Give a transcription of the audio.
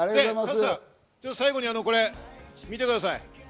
加藤さん、最後にこれ見てください。